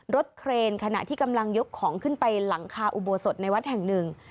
เครนขณะที่กำลังยกของขึ้นไปหลังคาอุโบสถในวัดแห่งหนึ่ง